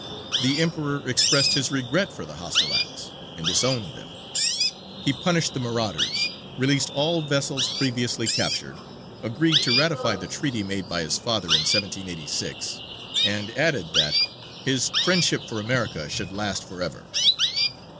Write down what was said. The Emperor expressed his regret for the hostile acts, and disowned them; he punished the marauders, released all vessels previously captured, agreed to ratify the treaty made by his father in 1786, and added that "his friendship for America should last for ever."